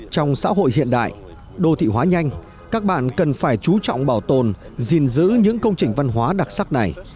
trong xã hội hiện đại đô thị hóa nhanh các bạn cần phải chú trọng bảo tồn gìn giữ những công trình văn hóa đặc sắc này